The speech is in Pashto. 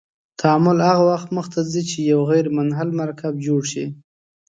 تعامل هغه وخت مخ ته ځي چې یو غیر منحل مرکب جوړ شي.